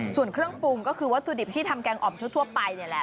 ส่วนเครื่องปรุงก็คือวัตถุดิบที่ทำแกงอ่อมทั่วไปนี่แหละ